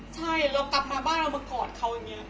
ใช่เรากลับมาบ้านเรามากอดเขาอย่างนี้